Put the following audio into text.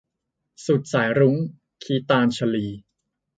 สุดสายรุ้ง - คีตาญชลี